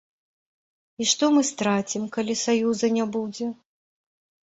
І што мы страцім, калі саюза не будзе?